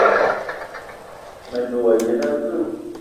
Me ne wa yene aveu?